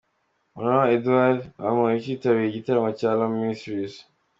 Hon Edouard Bamporiki yitabiriye igitaramo cya Alarm Ministries.